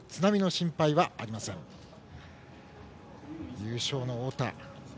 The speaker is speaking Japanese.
優勝の太田。